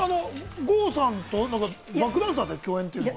郷さんとバックダンサーで共演というのは？